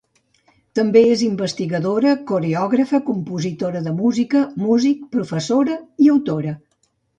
També és investigadora, coreògrafa, compositora de música, músic, professora i autora.